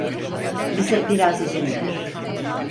Bize biraz izin ver.